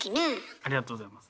ありがとうございます。